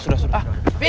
bikin kau sudah